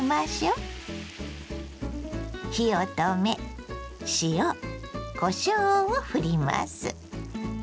火を止め塩こしょうをふります。